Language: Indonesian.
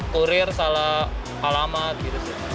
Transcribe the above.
kurir salah alamat gitu sih